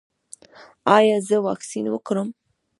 ایا زه واکسین وکړم؟